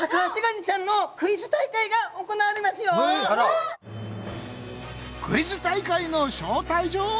クイズ大会の招待状？